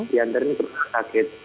di antar ini terus sakit